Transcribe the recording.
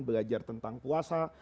belajar tentang puasa